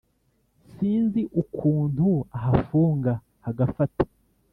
sinzi ukuntu ahafunga hagafata